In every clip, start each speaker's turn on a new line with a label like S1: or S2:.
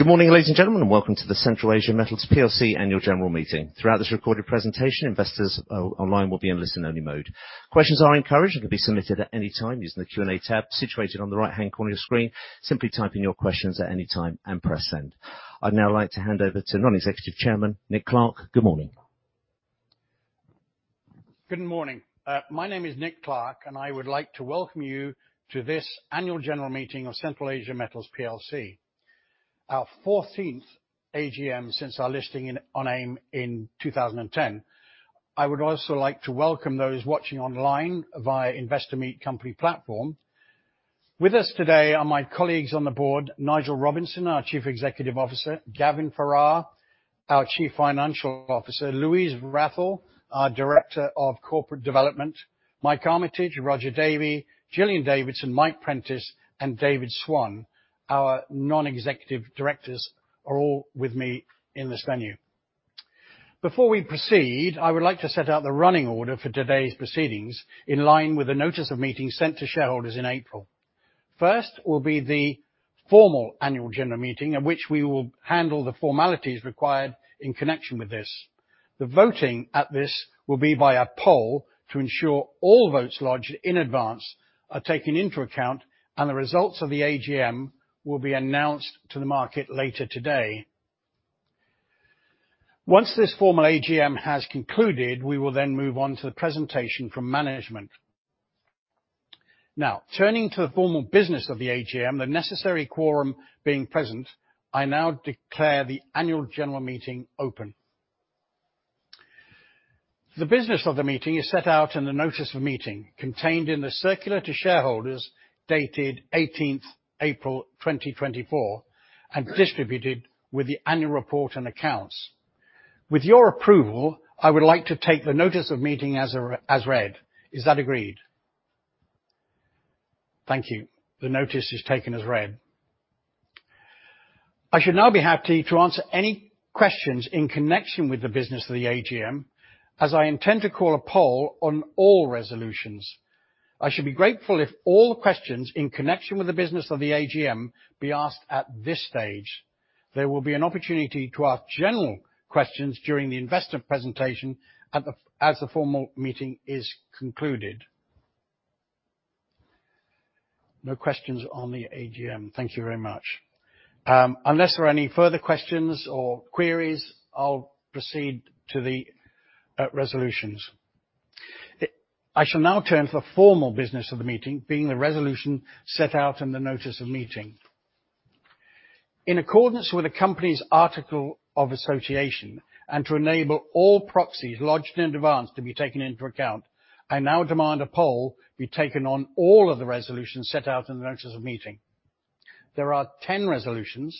S1: Good morning, ladies and gentlemen, and welcome to the Central Asia Metals plc Annual General Meeting. Throughout this recorded presentation, investors online will be in listen-only mode. Questions are encouraged and can be submitted at any time using the Q&A tab situated on the right-hand corner of your screen. Simply type in your questions at any time and press Send. I'd now like to hand over to Non-Executive Chairman Nick Clarke. Good morning.
S2: Good morning. My name is Nick Clarke, and I would like to welcome you to this annual general meeting of Central Asia Metals plc, our 14th AGM since our listing in, on AIM in 2010. I would also like to welcome those watching online via Investor Meet Company platform. With us today are my colleagues on the board, Nigel Robinson, our Chief Executive Officer, Gavin Ferrar, our Chief Financial Officer, Louise Wrathall, our Director of Corporate Development, Mike Armitage, Roger Davey, Gillian Davidson, Mike Prentis, and David Swan, our Non-Executive Directors, are all with me in this venue. Before we proceed, I would like to set out the running order for today's proceedings, in line with the notice of meeting sent to shareholders in April. First will be the formal annual general meeting, at which we will handle the formalities required in connection with this. The voting at this will be by a poll to ensure all votes lodged in advance are taken into account, and the results of the AGM will be announced to the market later today. Once this formal AGM has concluded, we will then move on to the presentation from management. Now, turning to the formal business of the AGM, the necessary quorum being present, I now declare the annual general meeting open. The business of the meeting is set out in the notice of meeting, contained in the circular to shareholders, dated 18th April 2024, and distributed with the annual report and accounts. With your approval, I would like to take the notice of meeting as read. Is that agreed? Thank you. The notice is taken as read. I should now be happy to answer any questions in connection with the business of the AGM, as I intend to call a poll on all resolutions. I should be grateful if all the questions in connection with the business of the AGM be asked at this stage. There will be an opportunity to ask general questions during the investor presentation as the formal meeting is concluded. No questions on the AGM. Thank you very much. Unless there are any further questions or queries, I'll proceed to the resolutions. I shall now turn to the formal business of the meeting, being the resolution set out in the notice of meeting. In accordance with the company's articles of association, and to enable all proxies lodged in advance to be taken into account, I now demand a poll be taken on all of the resolutions set out in the notice of meeting. There are 10 resolutions.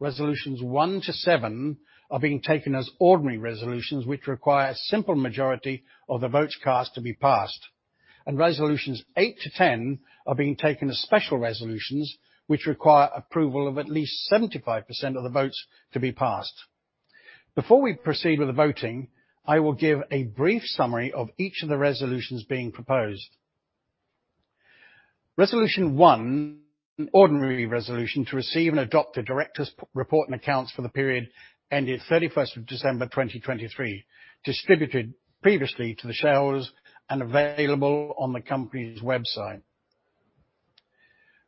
S2: Resolutions one to seven are being taken as ordinary resolutions, which require a simple majority of the votes cast to be passed. Resolutions eight to ten are being taken as special resolutions, which require approval of at least 75% of the votes to be passed. Before we proceed with the voting, I will give a brief summary of each of the resolutions being proposed. Resolution one, an ordinary resolution to receive and adopt the directors' report and accounts for the period ended thirty-first of December, 2023, distributed previously to the shareholders and available on the company's website.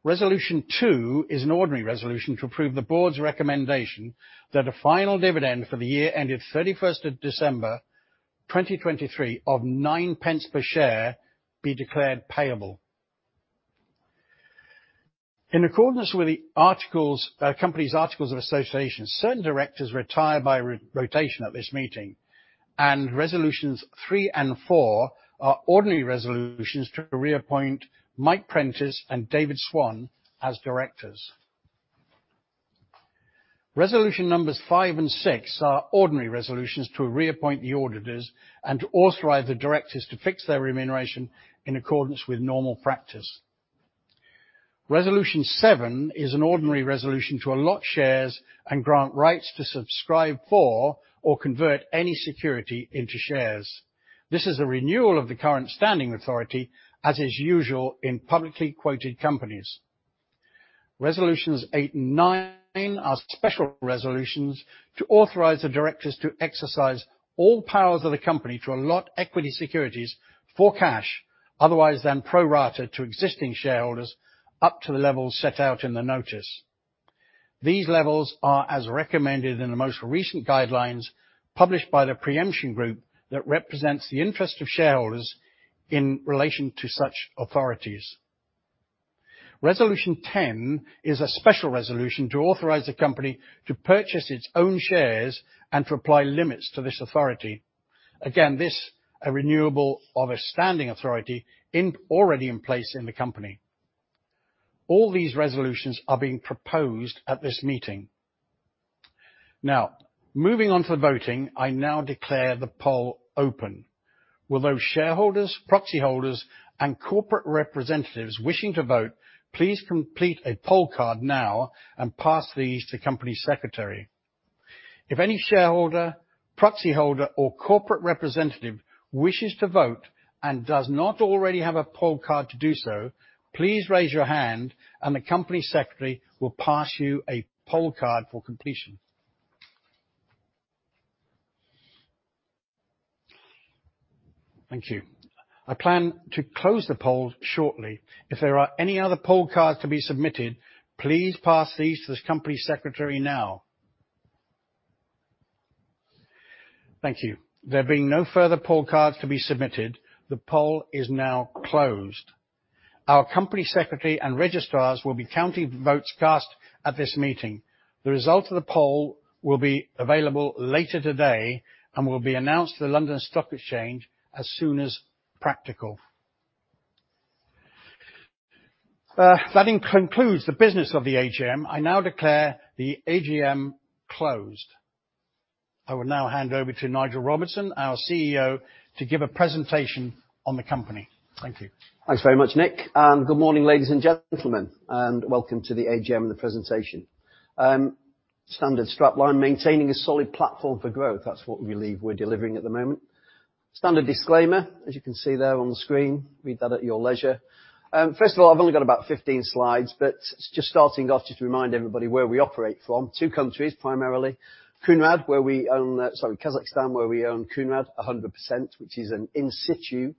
S2: Resolution 2 is an ordinary resolution to approve the board's recommendation that a final dividend for the year ended 31st of December 2023, of 0.09 per share be declared payable. In accordance with the articles, company's articles of association, certain directors retire by rotation at this meeting, and resolutions 3 and 4 are ordinary resolutions to reappoint Mike Prentis and David Swan as directors. Resolutions 5 and 6 are ordinary resolutions to reappoint the auditors and to authorize the directors to fix their remuneration in accordance with normal practice. Resolution 7 is an ordinary resolution to allot shares and grant rights to subscribe for or convert any security into shares. This is a renewal of the current standing authority, as is usual in publicly quoted companies. Resolutions 8 and 9 are special resolutions to authorize the directors to exercise all powers of the company to allot equity securities for cash, otherwise than pro rata to existing shareholders, up to the levels set out in the notice. These levels are as recommended in the most recent guidelines published by the Pre-Emption Group that represents the interest of shareholders in relation to such authorities. Resolution 10 is a special resolution to authorize the company to purchase its own shares and to apply limits to this authority. Again, this is a renewal of a standing authority already in place in the company. All these resolutions are being proposed at this meeting. Now, moving on to the voting. I now declare the poll open. Will those shareholders, proxy holders, and corporate representatives wishing to vote please complete a poll card now and pass these to the Company Secretary? If any shareholder, proxyholder, or corporate representative wishes to vote and does not already have a poll card to do so, please raise your hand, and the company secretary will pass you a poll card for completion. Thank you. I plan to close the poll shortly. If there are any other poll cards to be submitted, please pass these to the company secretary now. Thank you. There being no further poll cards to be submitted, the poll is now closed. Our company secretary and registrars will be counting votes cast at this meeting. The result of the poll will be available later today and will be announced to the London Stock Exchange as soon as practical. That concludes the business of the AGM. I now declare the AGM closed. I will now hand over to Nigel Robinson, our CEO, to give a presentation on the company. Thank you.
S3: Thanks very much, Nick, and good morning, ladies and gentlemen, and welcome to the AGM and the presentation. Standard strapline, maintaining a solid platform for growth. That's what we believe we're delivering at the moment. Standard disclaimer, as you can see there on the screen, read that at your leisure. First of all, I've only got about 15 slides, but just starting off, just to remind everybody where we operate from. Two countries, primarily, Kounrad, where we own. Sorry, Kazakhstan, where we own Kounrad 100%, which is an in-situ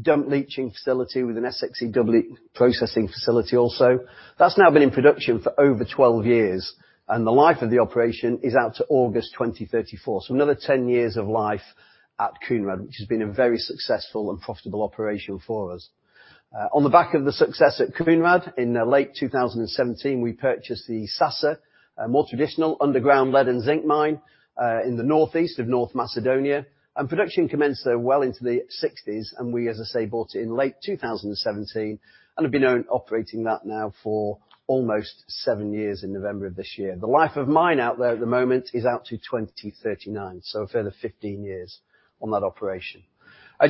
S3: dump leaching facility with an SX-EW processing facility also. That's now been in production for over 12 years, and the life of the operation is out to August 2034, so another 10 years of life at Kounrad, which has been a very successful and profitable operation for us. On the back of the success at Kounrad, in late 2017, we purchased the Sasa, a more traditional underground lead and zinc mine, in the northeast of North Macedonia. Production commenced there well into the 1960s, and we, as I say, bought it in late 2017 and have been operating that now for almost 7 years in November of this year. The life of mine out there at the moment is out to 2039, so a further 15 years on that operation.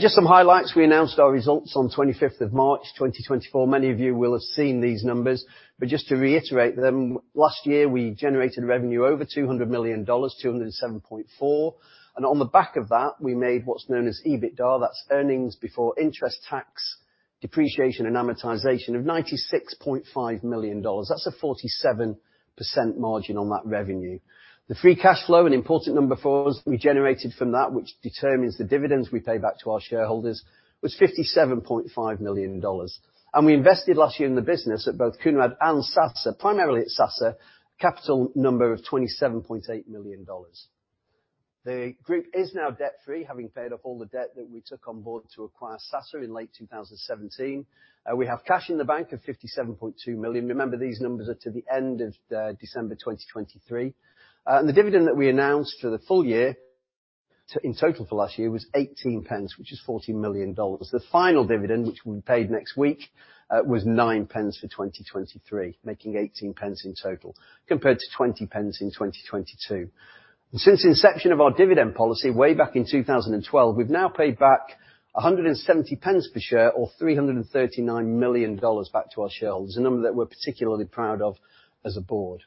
S3: Just some highlights, we announced our results on 25th of March 2024. Many of you will have seen these numbers, but just to reiterate them, last year, we generated revenue over $200 million, $207.4 million. And on the back of that, we made what's known as EBITDA, that's earnings before interest, tax, depreciation, and amortization, of $96.5 million. That's a 47% margin on that revenue. The free cash flow, an important number for us, we generated from that, which determines the dividends we pay back to our shareholders, was $57.5 million. And we invested last year in the business at both Kounrad and Sasa, primarily at Sasa, capital number of $27.8 million. The group is now debt-free, having paid off all the debt that we took on board to acquire Sasa in late 2017. We have cash in the bank of $57.2 million. Remember, these numbers are to the end of December 2023. and the dividend that we announced for the full year, in total for last year, was 18 pence, which is $14 million. The final dividend, which will be paid next week, was 9 pence for 2023, making 18 pence in total, compared to 20 pence in 2022. Since the inception of our dividend policy, way back in 2012, we've now paid back 170 pence per share, or $339 million, back to our shareholders, a number that we're particularly proud of as a board.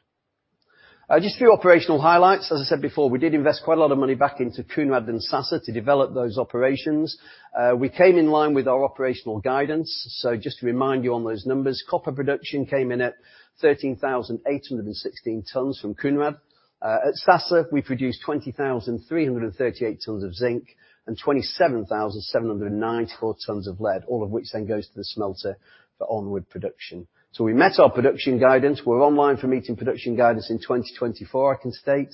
S3: Just a few operational highlights. As I said before, we did invest quite a lot of money back into Kounrad and Sasa to develop those operations. We came in line with our operational guidance. Just to remind you on those numbers, copper production came in at 13,816 tons from Kounrad. At Sasa, we produced 20,338 tons of zinc and 27,794 tons of lead, all of which then goes to the smelter for onward production. We met our production guidance. We're on line for meeting production guidance in 2024, I can state.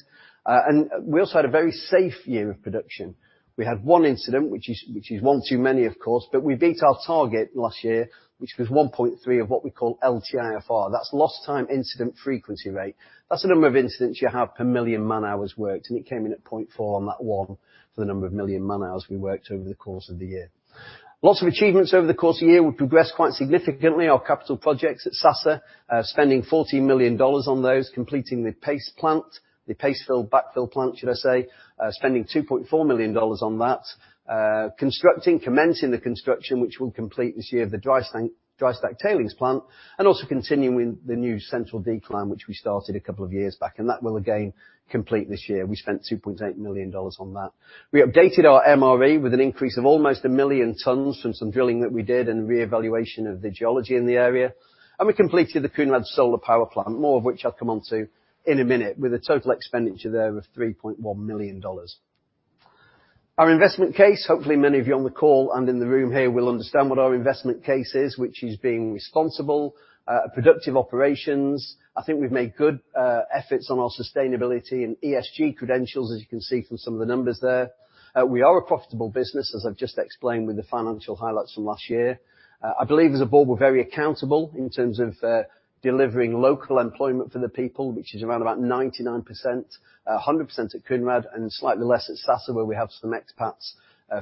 S3: And we also had a very safe year of production. We had one incident, which is, which is one too many, of course, but we beat our target last year, which was 1.3 of what we call LTIFR. That's lost time incident frequency rate. That's the number of incidents you have per million man-hours worked, and it came in at 0.4 on that one for the number of million man-hours we worked over the course of the year. Lots of achievements over the course of the year. We progressed quite significantly our capital projects at Sasa, spending $14 million on those, completing the paste plant, the paste fill, backfill plant, should I say, spending $2.4 million on that. Constructing, commencing the construction, which we'll complete this year, of the dry stack, dry stack tailings plant, and also continuing the new central decline, which we started a couple of years back, and that will again complete this year. We spent $2.8 million on that. We updated our MRE with an increase of almost 1 million tons from some drilling that we did and reevaluation of the geology in the area. We completed the Kounrad solar power plant, more of which I'll come onto in a minute, with a total expenditure there of $3.1 million. Our investment case, hopefully many of you on the call and in the room here will understand what our investment case is, which is being responsible, productive operations. I think we've made good efforts on our sustainability and ESG credentials, as you can see from some of the numbers there. We are a profitable business, as I've just explained, with the financial highlights from last year. I believe as a board, we're very accountable in terms of delivering local employment for the people, which is around about 99%, 100% at Kounrad, and slightly less at Sasa, where we have some expats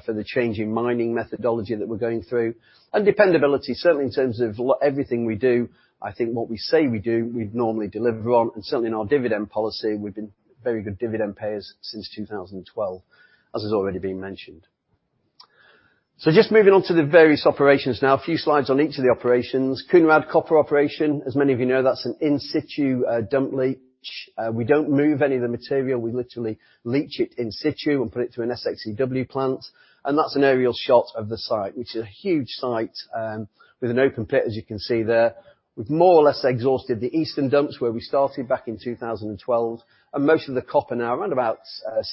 S3: for the changing mining methodology that we're going through. And dependability, certainly in terms of what everything we do, I think what we say we do, we've normally delivered on. And certainly in our dividend policy, we've been very good dividend payers since 2012, as has already been mentioned. So just moving on to the various operations now, a few slides on each of the operations. Kounrad copper operation, as many of you know, that's an in-situ dump leach. We don't move any of the material. We literally leach it in situ and put it through an SX-EW plant. And that's an aerial shot of the site, which is a huge site, with an open pit, as you can see there. We've more or less exhausted the eastern dumps, where we started back in 2012, and most of the copper now, around about,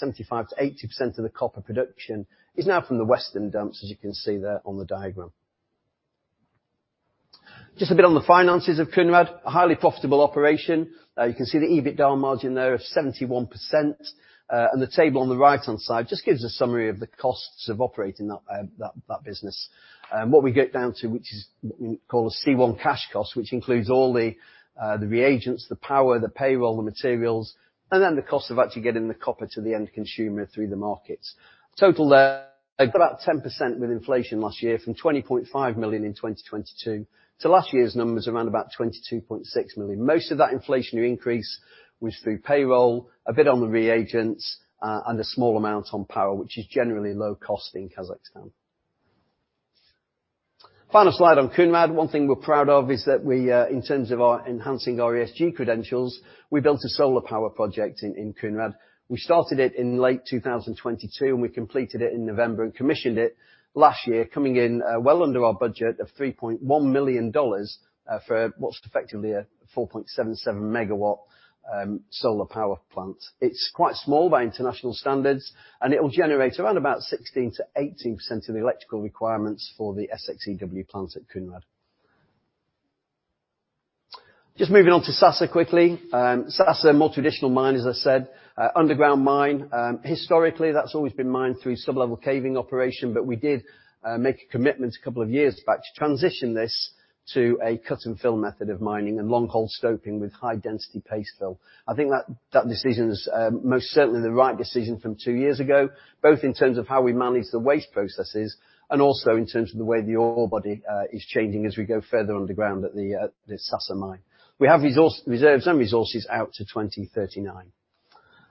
S3: 75%-80% of the copper production, is now from the western dumps, as you can see there on the diagram. Just a bit on the finances of Kounrad, a highly profitable operation. You can see the EBITDA margin there of 71%. And the table on the right-hand side just gives a summary of the costs of operating that business. What we get down to, which is called a C1 cash cost, which includes all the, the reagents, the power, the payroll, the materials, and then the cost of actually getting the copper to the end consumer through the markets. Total there, about 10% with inflation last year, from $20.5 million in 2022 to last year's numbers, around about $22.6 million. Most of that inflationary increase was through payroll, a bit on the reagents, and a small amount on power, which is generally low cost in Kazakhstan. Final slide on Kounrad. One thing we're proud of is that we, in terms of our enhancing our ESG credentials, we built a solar power project in Kounrad. We started it in late 2022, and we completed it in November and commissioned it last year, coming in well under our budget of $3.1 million for what's effectively a 4.77 MW solar power plant. It's quite small by international standards, and it'll generate around about 16%-18% of the electrical requirements for the SX-EW plant at Kounrad. Just moving on to Sasa quickly. Sasa, a more traditional mine, as I said, underground mine. Historically, that's always been mined through sub-level caving operation, but we did make a commitment a couple of years back to transition this to a cut-and-fill method of mining and longhole stoping with high-density paste fill. I think that, that decision is, most certainly the right decision from two years ago, both in terms of how we manage the waste processes and also in terms of the way the ore body, is changing as we go further underground at the, the Sasa mine. We have reserves and resources out to 2039.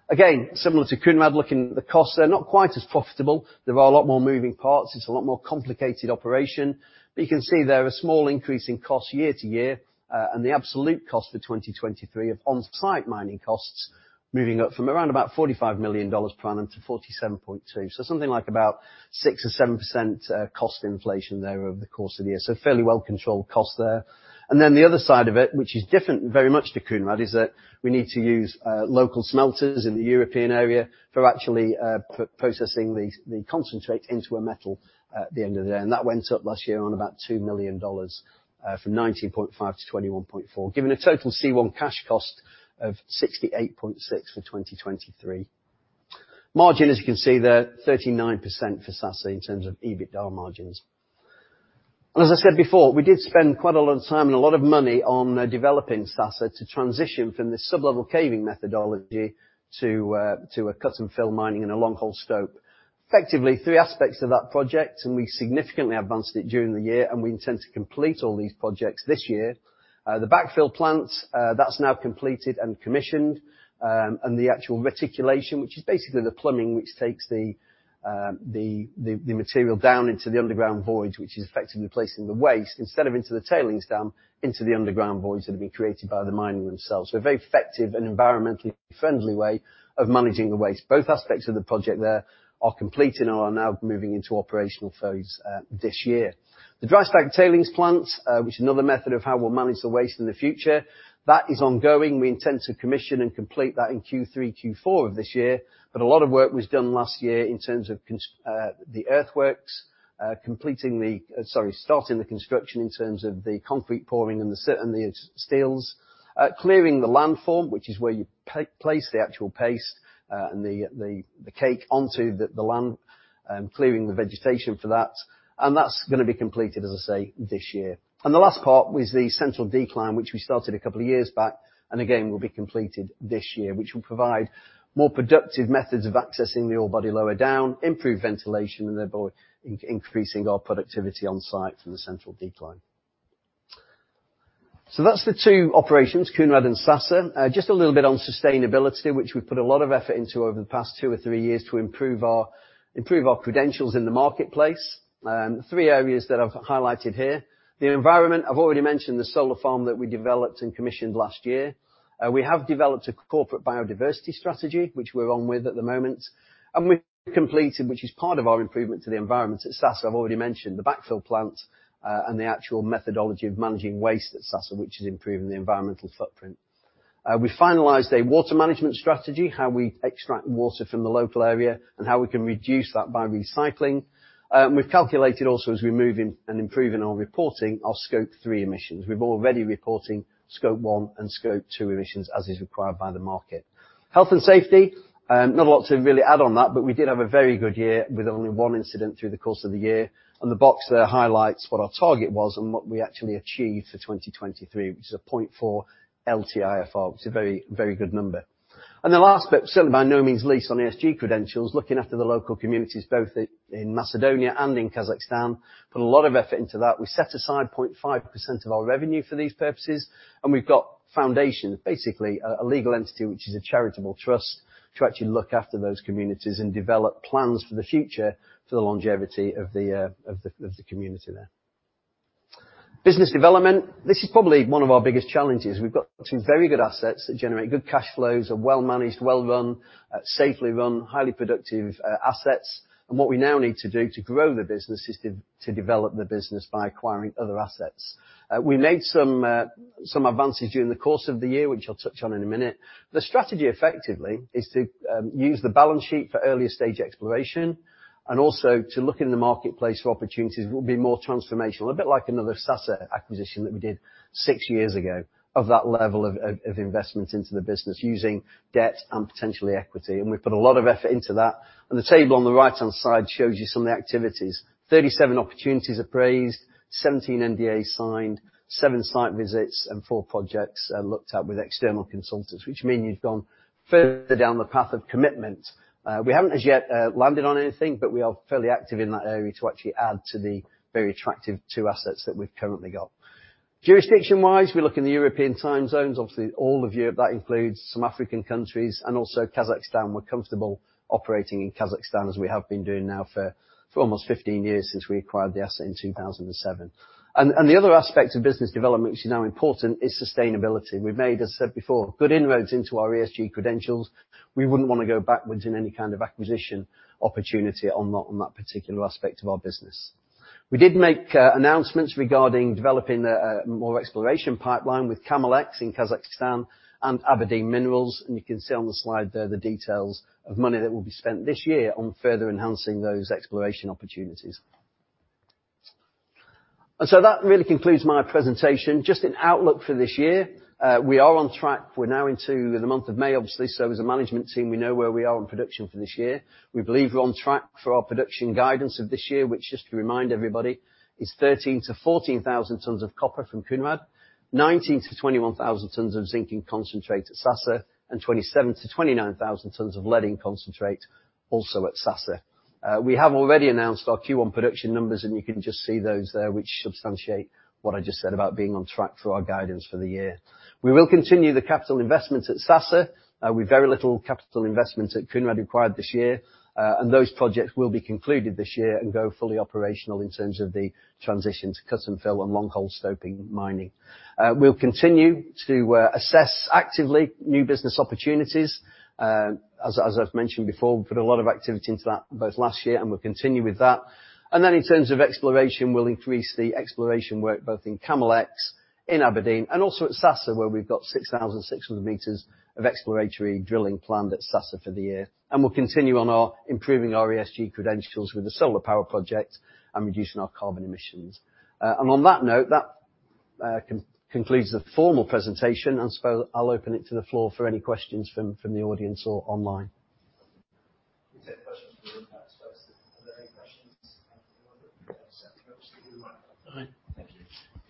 S3: Again, similar to Kounrad, looking at the costs, they're not quite as profitable. There are a lot more moving parts. It's a lot more complicated operation, but you can see there a small increase in costs year to year, and the absolute cost for 2023 of on-site mining costs moving up from around about $45 million per annum to $47.2 million. So something like about 6%-7%, cost inflation there over the course of the year. So fairly well controlled cost there. And then the other side of it, which is different, very much to Kounrad, is that we need to use local smelters in the European area for actually processing the concentrate into a metal at the end of the day. And that went up last year on about $2 million, from $19.5 million-$21.4 million, giving a total C1 cash cost of $68.6 for 2023. Margin, as you can see there, 39% for Sasa in terms of EBITDA margins. And as I said before, we did spend quite a lot of time and a lot of money on developing Sasa to transition from the sub-level caving methodology to a cut-and-fill mining and a longhole stoping. Effectively, three aspects of that project, and we significantly advanced it during the year, and we intend to complete all these projects this year. The backfill plant, that's now completed and commissioned, and the actual reticulation, which is basically the plumbing, which takes the material down into the underground voids, which is effectively placing the waste, instead of into the tailings dam, into the underground voids that have been created by the mining themselves. So a very effective and environmentally friendly way of managing the waste. Both aspects of the project there are complete and are now moving into operational phase, this year. The dry stack tailings plant, which is another method of how we'll manage the waste in the future, that is ongoing. We intend to commission and complete that in Q3, Q4 of this year, but a lot of work was done last year in terms of the earthworks, starting the construction in terms of the concrete pouring and the steels. Clearing the landform, which is where you place the actual paste and the cake onto the land, clearing the vegetation for that, and that's gonna be completed, as I say, this year. And the last part was the central decline, which we started a couple of years back, and again, will be completed this year, which will provide more productive methods of accessing the ore body lower down, improve ventilation, and thereby increasing our productivity on-site from the central decline. So that's the two operations, Kounrad and Sasa. Just a little bit on sustainability, which we've put a lot of effort into over the past two or three years to improve our credentials in the marketplace. Three areas that I've highlighted here. The environment, I've already mentioned the solar farm that we developed and commissioned last year. We have developed a corporate biodiversity strategy, which we're on with at the moment, and we've completed, which is part of our improvement to the environment at Sasa. I've already mentioned the backfill plant, and the actual methodology of managing waste at Sasa, which is improving the environmental footprint. We finalized a water management strategy, how we extract water from the local area and how we can reduce that by recycling. We've calculated also, as we move and improve in our reporting, our Scope 3 emissions. We're already reporting Scope 1 and Scope 2 emissions, as is required by the market. Health and safety, not a lot to really add on that, but we did have a very good year with only one incident through the course of the year. The box there highlights what our target was and what we actually achieved for 2023, which is a 0.4 LTIFR, which is a very, very good number. The last bit, certainly by no means least on ESG credentials, looking after the local communities, both in Macedonia and in Kazakhstan. Put a lot of effort into that. We set aside 0.5% of our revenue for these purposes, and we've got foundations, basically a legal entity, which is a charitable trust, to actually look after those communities and develop plans for the future, for the longevity of the community there. Business development, this is probably one of our biggest challenges. We've got two very good assets that generate good cash flows, are well-managed, well-run, safely run, highly productive assets. And what we now need to do to grow the business is to develop the business by acquiring other assets. We made some advances during the course of the year, which I'll touch on in a minute. The strategy, effectively, is to use the balance sheet for earlier stage exploration, and also to look in the marketplace for opportunities that will be more transformational, a bit like another Sasa acquisition that we did six years ago, of that level of investment into the business using debt and potentially equity. And we've put a lot of effort into that, and the table on the right-hand side shows you some of the activities. 37 opportunities appraised, 17 NDAs signed, seven site visits, and four projects looked at with external consultants, which mean you've gone further down the path of commitment. We haven't as yet landed on anything, but we are fairly active in that area to actually add to the very attractive two assets that we've currently got. Jurisdiction-wise, we look in the European time zones. Obviously, all of Europe. That includes some African countries and also Kazakhstan. We're comfortable operating in Kazakhstan, as we have been doing now for almost 15 years, since we acquired the asset in 2007. And the other aspect of business development, which is now important, is sustainability. We've made, as I said before, good inroads into our ESG credentials. We wouldn't want to go backwards in any kind of acquisition opportunity on that particular aspect of our business. We did make announcements regarding developing more exploration pipeline with Camelex in Kazakhstan and Aberdeen Minerals, and you can see on the slide there the details of money that will be spent this year on further enhancing those exploration opportunities. And so that really concludes my presentation. Just an outlook for this year. We are on track. We're now into the month of May, obviously, so as a management team, we know where we are in production for this year. We believe we're on track for our production guidance of this year, which, just to remind everybody, is 13,000-14,000 tons of copper from Kounrad, 19,000-21,000 tons of zinc concentrate at Sasa, and 27,000-29,000 tons of lead concentrate also at Sasa. We have already announced our Q1 production numbers, and you can just see those there, which substantiate what I just said about being on track for our guidance for the year. We will continue the capital investments at Sasa, with very little capital investments at Kounrad required this year, and those projects will be concluded this year and go fully operational in terms of the transition to cut-and-fill and longhole stoping mining. We'll continue to assess actively new business opportunities. As I've mentioned before, we've put a lot of activity into that both last year and we'll continue with that. And then, in terms of exploration, we'll increase the exploration work, both in Camelex, in Aberdeen, and also at Sasa, where we've got 6,600 meters of exploratory drilling planned at Sasa for the year. And we'll continue on our improving our ESG credentials with the solar power project and reducing our carbon emissions. And on that note, concludes the formal presentation. And so I'll open it to the floor for any questions from the audience or online. We take questions from the press first. Are there any questions? Yeah, setting up to the mic.
S4: Hi.
S2: Thank you.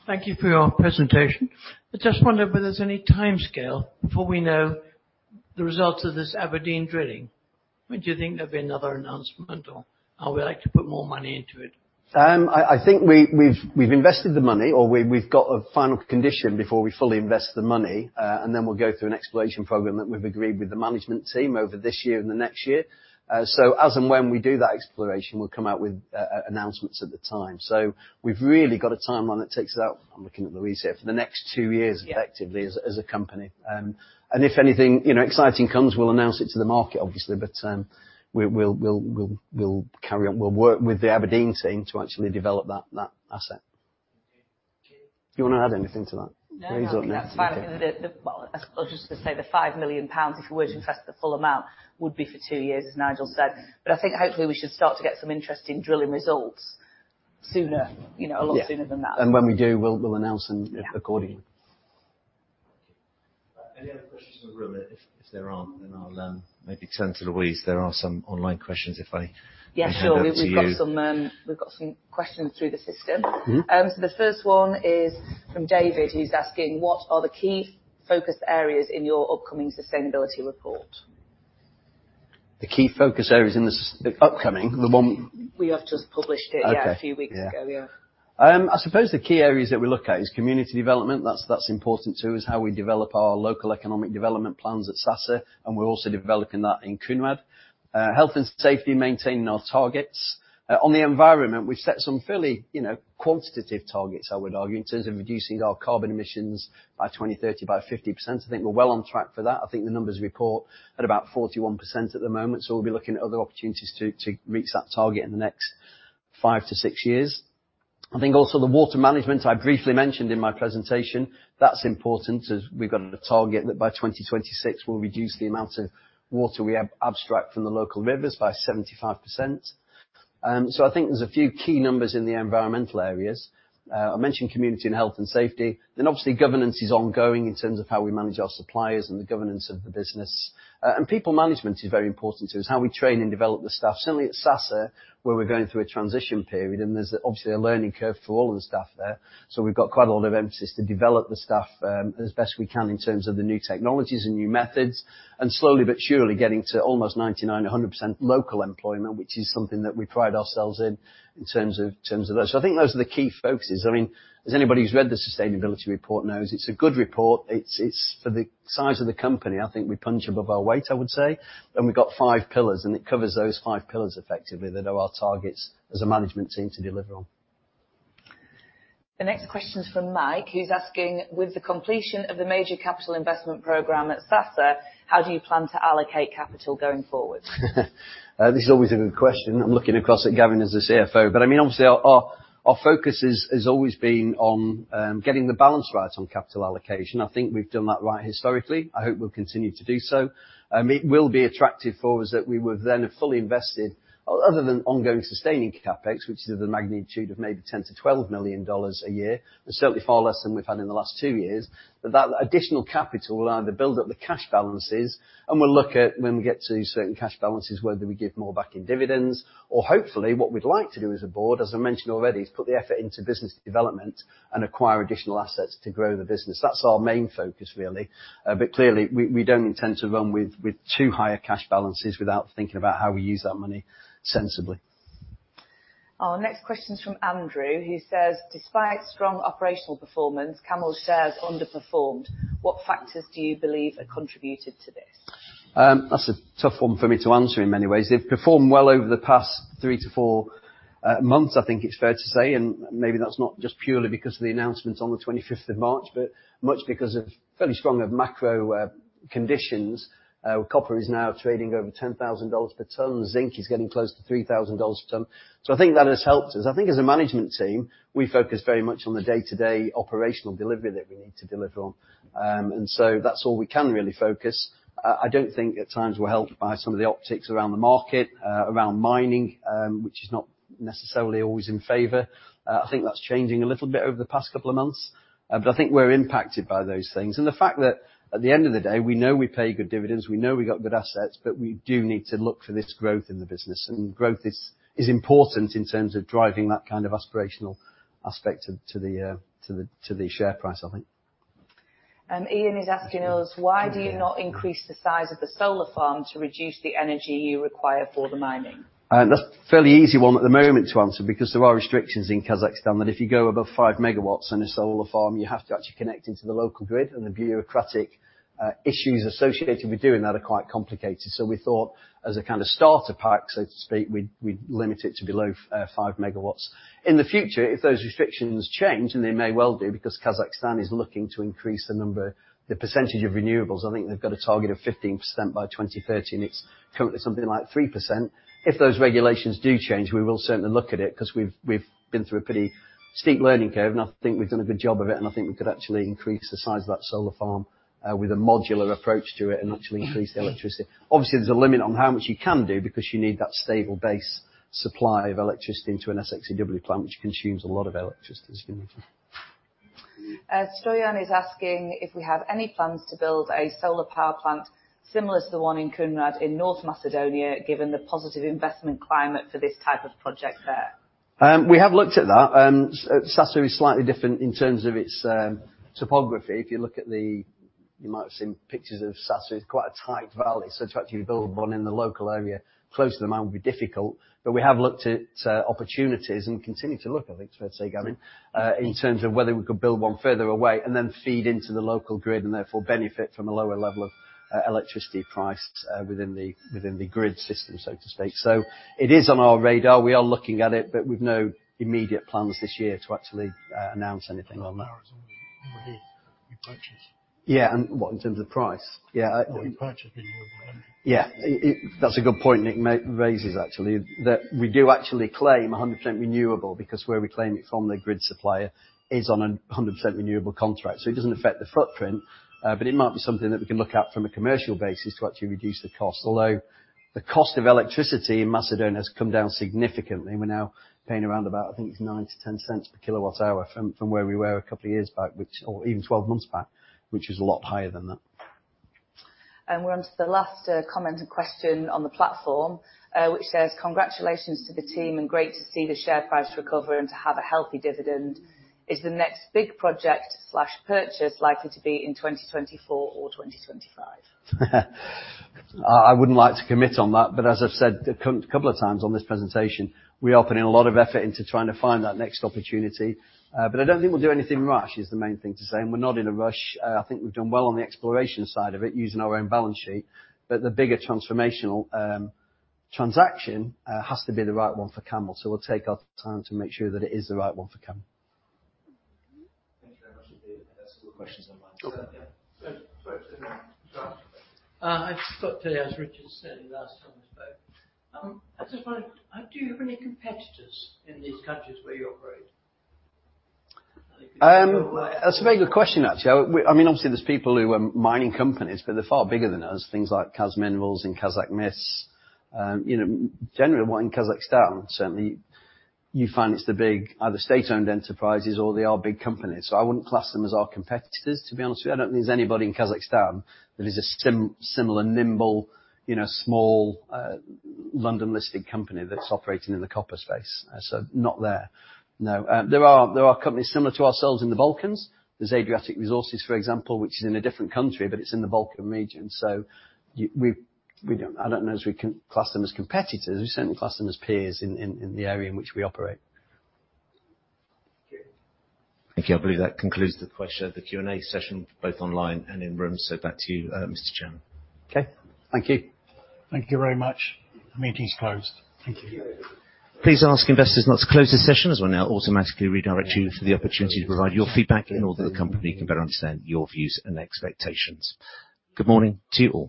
S4: Thank you for your presentation. I just wondered whether there's any timescale before we know the results of this Aberdeen drilling. Would you think there'd be another announcement, or are we likely to put more money into it?
S3: I think we've invested the money, or we've got a final condition before we fully invest the money. And then we'll go through an exploration program that we've agreed with the management team over this year and the next year. So as and when we do that exploration, we'll come out with announcements at the time. So we've really got a timeline that takes us out, I'm looking at Louise here, for the next two years, effectively, as a company. And if anything, you know, exciting comes, we'll announce it to the market, obviously, but we'll carry on. We'll work with the Aberdeen team to actually develop that asset. Do you want to add anything to that?
S5: No, that's fine. I think... Well, I was just going to say, the 5 million pounds, if we were to invest the full amount, would be for two years, as Nigel said. But I think hopefully we should start to get some interesting drilling results sooner, you know-
S3: Yeah...
S5: a lot sooner than that.
S3: And when we do, we'll announce them-
S5: Yeah...
S3: accordingly.
S2: Thank you. Any other questions in the room? If there aren't, then I'll maybe turn to Louise. There are some online questions, if I-
S5: Yeah, sure...
S2: hand over to you.
S5: We've got some, we've got some questions through the system.
S3: Mm-hmm.
S5: So, the first one is from David, who's asking: What are the key focus areas in your upcoming sustainability report?
S3: The key focus areas in the upcoming one.
S5: We have just published it-
S3: Okay...
S5: yeah, a few weeks ago.
S3: Yeah.
S5: Yeah.
S3: I suppose the key areas that we look at is community development. That's important to us, how we develop our local economic development plans at Sasa, and we're also developing that in Kounrad. Health and safety, maintaining our targets. On the environment, we've set some fairly, you know, quantitative targets, I would argue, in terms of reducing our carbon emissions by 2030 by 50%. I think we're well on track for that. I think the numbers report at about 41% at the moment, so we'll be looking at other opportunities to reach that target in the next 5-6 years. I think also the water management, I briefly mentioned in my presentation, that's important, as we've got a target that by 2026 we'll reduce the amount of water we abstract from the local rivers by 75%. So I think there's a few key numbers in the environmental areas. I mentioned community and health and safety. Then obviously, governance is ongoing in terms of how we manage our suppliers and the governance of the business. And people management is very important to us, how we train and develop the staff. Certainly at Sasa, where we're going through a transition period, and there's obviously a learning curve for all of the staff there, so we've got quite a lot of emphasis to develop the staff, as best we can in terms of the new technologies and new methods, and slowly but surely getting to almost 99%-100% local employment, which is something that we pride ourselves in, in terms of, in terms of that. So I think those are the key focuses. I mean, as anybody who's read the sustainability report knows, it's a good report. It's, it's, for the size of the company, I think we punch above our weight, I would say. And we've got five pillars, and it covers those five pillars effectively, that are our targets as a management team to deliver on....
S5: The next question is from Mike, who's asking: With the completion of the major capital investment program at Sasa, how do you plan to allocate capital going forward?
S3: This is always a good question. I'm looking across at Gavin as the CFO, but, I mean, obviously, our focus has always been on getting the balance right on capital allocation. I think we've done that right historically. I hope we'll continue to do so. It will be attractive for us, that we were then fully invested, other than ongoing sustaining CapEx, which is of the magnitude of maybe $10 million-$12 million a year, but certainly far less than we've had in the last two years. But that additional capital will either build up the cash balances, and we'll look at, when we get to certain cash balances, whether we give more back in dividends, or hopefully, what we'd like to do as a board, as I mentioned already, is put the effort into business development and acquire additional assets to grow the business. That's our main focus, really, but clearly, we don't intend to run with too high a cash balances without thinking about how we use that money sensibly.
S5: Our next question is from Andrew, who says, "Despite strong operational performance, CAML's shares underperformed. What factors do you believe have contributed to this?
S3: That's a tough one for me to answer in many ways. They've performed well over the past 3-4 months, I think it's fair to say, and maybe that's not just purely because of the announcements on the 25th of March, but much because of fairly strong of macro conditions. Copper is now trading over $10,000 per ton. Zinc is getting close to $3,000 per ton. So I think that has helped us. I think as a management team, we focus very much on the day-to-day operational delivery that we need to deliver on. And so that's all we can really focus. I don't think at times we're helped by some of the optics around the market around mining, which is not necessarily always in favor. I think that's changing a little bit over the past couple of months, but I think we're impacted by those things. The fact that at the end of the day, we know we pay good dividends, we know we got good assets, but we do need to look for this growth in the business, and growth is important in terms of driving that kind of aspirational aspect to the share price, I think.
S5: Ian is asking us: Why do you not increase the size of the solar farm to reduce the energy you require for the mining?
S3: That's a fairly easy one at the moment to answer, because there are restrictions in Kazakhstan, that if you go above 5 MW in a solar farm, you have to actually connect into the local grid, and the bureaucratic issues associated with doing that are quite complicated. So we thought as a kind of starter pack, so to speak, we'd limit it to below 5 MW. In the future, if those restrictions change, and they may well do, because Kazakhstan is looking to increase the number the percentage of renewables. I think they've got a target of 15% by 2030, and it's currently something like 3%. If those regulations do change, we will certainly look at it, 'cause we've been through a pretty steep learning curve, and I think we've done a good job of it, and I think we could actually increase the size of that solar farm with a modular approach to it and actually increase the electricity. Obviously, there's a limit on how much you can do, because you need that stable base supply of electricity to an SXW plant, which consumes a lot of electricity.
S5: Stoyan is asking if we have any plans to build a solar power plant similar to the one in Kounrad, in North Macedonia, given the positive investment climate for this type of project there.
S3: We have looked at that. Sasa is slightly different in terms of its topography. If you look at the... You might have seen pictures of Sasa. It's quite a tight valley, so to actually build one in the local area, close to the mine, would be difficult. But we have looked at opportunities and continue to look, I think it's fair to say, Gavin, in terms of whether we could build one further away and then feed into the local grid, and therefore benefit from a lower level of electricity prices within the, within the grid system, so to speak. So it is on our radar. We are looking at it, but we've no immediate plans this year to actually announce anything on that.
S2: You purchase.
S3: Yeah, and what, in terms of price? Yeah, I-
S2: Well, you purchased the
S3: Yeah. That's a good point Nick raises, actually. That we do actually claim 100% renewable, because where we claim it from, the grid supplier, is on a 100% renewable contract, so it doesn't affect the footprint. But it might be something that we can look at from a commercial basis to actually reduce the cost. Although, the cost of electricity in Macedonia has come down significantly. We're now paying around about, I think it's $0.09-$0.10 per kWh from where we were a couple of years back, or even twelve months back, which is a lot higher than that.
S5: We're on to the last, comment and question on the platform, which says, "Congratulations to the team, and great to see the share price recover and to have a healthy dividend. Is the next big project slash purchase likely to be in 2024 or 2025?
S3: I wouldn't like to commit on that, but as I've said a couple of times on this presentation, we are putting a lot of effort into trying to find that next opportunity. But I don't think we'll do anything rash, is the main thing to say, and we're not in a rush. I think we've done well on the exploration side of it, using our own balance sheet, but the bigger transformational transaction has to be the right one for CAML, so we'll take our time to make sure that it is the right one for CAML.
S1: Thank you very much. There are still questions online.
S3: Okay.
S1: Yeah.
S5: I've got to ask, Richard, starting last time, but, I just wondered, do you have any competitors in these countries where you operate?
S3: That's a very good question, actually. I mean, obviously, there's people who are mining companies, but they're far bigger than us. Things like KAZ Minerals and Kazakhmys. You know, generally, anyone in Kazakhstan, certainly, you find it's the big, either state-owned enterprises or they are big companies, so I wouldn't class them as our competitors, to be honest with you. I don't think there's anybody in Kazakhstan that is a similar, nimble, you know, small, London-listed company that's operating in the copper space. So not there, no. There are companies similar to ourselves in the Balkans. There's Adriatic Metals, for example, which is in a different country, but it's in the Balkans, so we don't. I don't know if we can class them as competitors. We certainly class them as peers in the area in which we operate.
S1: Thank you. Thank you. I believe that concludes the question, the Q&A session, both online and in room. So back to you, Mr. Chairman.
S3: Okay, thank you.
S2: Thank you very much. Meeting is closed. Thank you.
S1: Please ask investors not to close this session, as we'll now automatically redirect you to the opportunity to provide your feedback in order that the company can better understand your views and expectations. Good morning to you all.